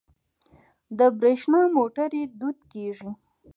د بریښنا موټرې دود کیږي.